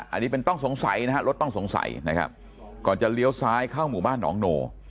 อันนี้เป็นต้องสงสัยนะฮะรถต้องสงสัยนะครับก่อนจะเลี้ยวซ้ายเข้าหมู่บ้านหนองโน